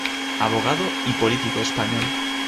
Abogado y político español.